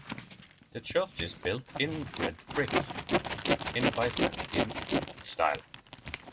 The church is built in red brick in Byzantine style.